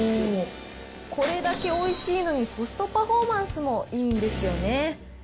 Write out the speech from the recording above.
これだけおいしいのに、コストパフォーマンスもいいんですよね。